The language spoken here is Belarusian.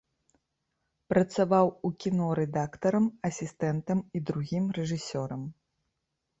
Працаваў у кіно рэдактарам, асістэнтам і другім рэжысёрам.